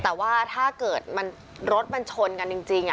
แต่ว่าถ้าเกิดรถมันชนกันจริง